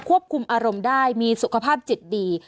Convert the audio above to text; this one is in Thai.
ควบคุมอารมณ์ได้มีสุขภาพจิตดี